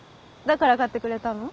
だから買ってくれたの？